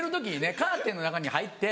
カーテンの中に入って。